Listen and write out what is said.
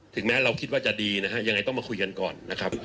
แม้เราคิดว่าจะดีนะฮะยังไงต้องมาคุยกันก่อนนะครับ